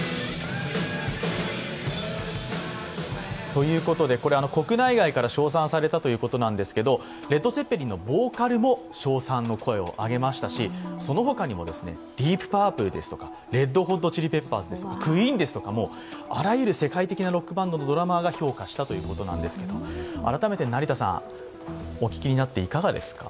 ということで、国内外から称賛されたということなんですけど、レッド・ツェッペリンのボーカルも称賛の声を上げましたし、その他にもディープ・パープルですとかレッド・ホット・チリ・ペッパーズとか、クイーンなど、あらゆる世界的なロックバンドが評価したということなんですけど、改めて成田さん、お聴きになっていかがですか？